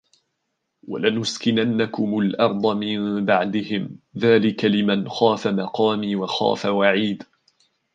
ولنسكننكم الأرض من بعدهم ذلك لمن خاف مقامي وخاف وعيد